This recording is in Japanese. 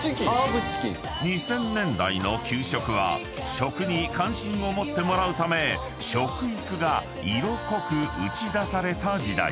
［２０００年代の給食は食に関心を持ってもらうため食育が色濃く打ち出された時代］